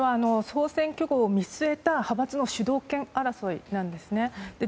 これは衆院選挙を見据えた派閥の主導権争いなんです。